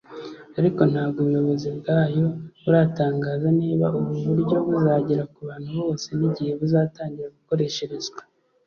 ariko ntabwo ubuyobozi bwa yo buratangaza niba ubu buryo buzagera ku bantu bose n’igihe buzatangira gukoresherezwa